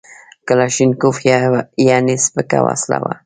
کلاشینکوف یعنې سپکه وسله وه